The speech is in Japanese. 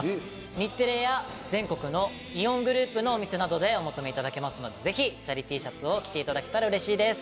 日テレや全国のイオングループのお店などでお求めいただけますのでぜひチャリＴシャツを着ていただけたらうれしいです。